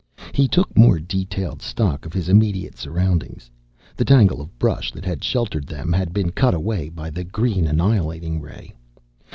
He took more detailed stock of his immediate surroundings. The tangle of brush that had sheltered them had been cut away by the green annihilating ray.